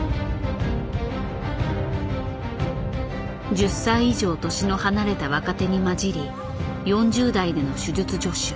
１０歳以上年の離れた若手に交じり４０代での手術助手。